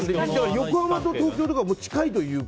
横浜と東京とか近いというか。